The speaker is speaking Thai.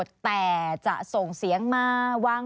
สวัสดีครับทุกคน